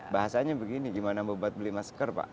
bahasanya begini gimana membuat beli masker pak